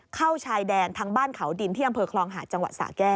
เข้าชายแดนทางบ้านเขาดินที่อำเภอคลองหาดจังหวัดสาแก้ว